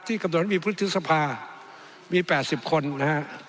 ที่กำหนดมีอุทิศภาคมมี๘๐คนนะฮะ